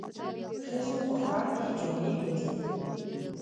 ښځو په خوړ کې جامې وينځلې.